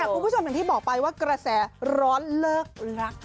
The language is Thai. คุณผู้ชมอย่างที่บอกไปว่ากระแสร้อนเลิกรัก